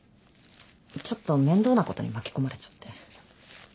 ちょっと面倒なことに巻き込まれちゃって。